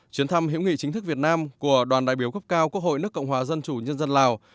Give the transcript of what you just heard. chuyến thăm hiểu nghị chính thức việt nam của đoàn đại biểu cấp cao quốc hội nước cộng hòa dân chủ nhân dân lào